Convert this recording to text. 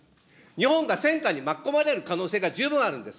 日本が戦火に巻き込まれる可能性が十分あるんです。